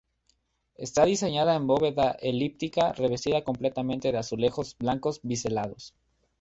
Está diseñada en bóveda elíptica revestida completamente de azulejos blancos biselados.